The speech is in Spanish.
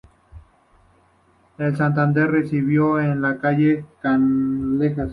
En Santander, residió en la calle Canalejas.